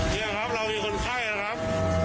นี่ครับเรามีคนไข้นะครับ